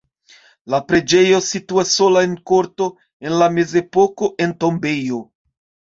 La preĝejo situas sola en korto (en la mezepoko en tombejo).